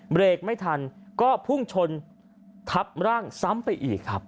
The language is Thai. เบรกไม่ทันก็พุ่งชนทับร่างซ้ำไปอีกครับ